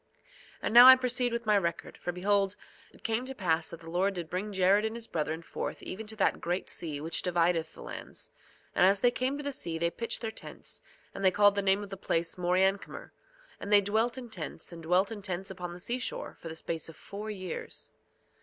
2:13 And now I proceed with my record; for behold, it came to pass that the Lord did bring Jared and his brethren forth even to that great sea which divideth the lands. And as they came to the sea they pitched their tents; and they called the name of the place Moriancumer; and they dwelt in tents, and dwelt in tents upon the seashore for the space of four years.